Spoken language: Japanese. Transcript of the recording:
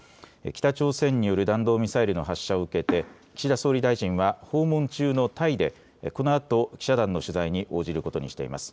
北朝鮮による弾道ミサイルの発射を受けて岸田総理大臣は訪問中のタイでこのあと記者団の取材に応じることにしています。